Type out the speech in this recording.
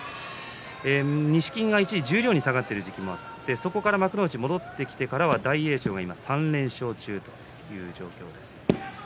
錦木が一時、十両に下がっている時期もあってそこから幕内に戻ってきてからは大栄翔が３連勝中という状況です。